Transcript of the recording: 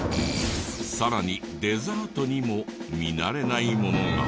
さらにデザートにも見慣れないものが。